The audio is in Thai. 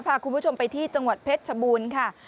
พาคุณผู้ชมไปที่จังหวัดเพชรชบูรณ์ค่ะ